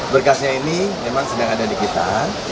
berkasnya ini memang sedang ada di kita